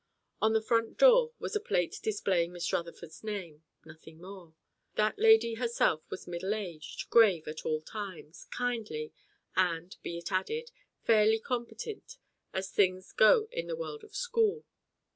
On the front door was a plate displaying Miss Rutherford's name, nothing more. That lady herself was middle aged, grave at all times, kindly, and, be it added, fairly competent as things go in the world of school.